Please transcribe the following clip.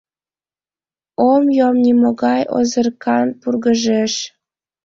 Ом йом нимогай озыркан пургыжеш.